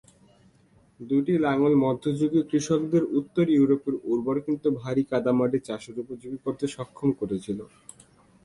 এই দুটি লাঙ্গল মধ্যযুগীয় কৃষকদের উত্তর ইউরোপের উর্বর কিন্তু ভারী কাদামাটি চাষের উপযোগী করতে সক্ষম করেছিল।